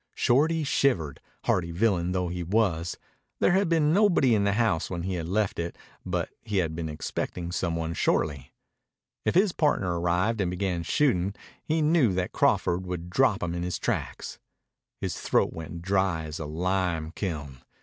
Shorty shivered, hardy villain though he was. There had been nobody in the house when he left it, but he had been expecting some one shortly. If his partner arrived and began shooting, he knew that Crawford would drop him in his tracks. His throat went dry as a lime kiln.